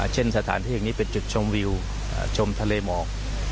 เช่นสถานที่แห่งนี้เป็นจุดชมวิวชมทะเลหมอก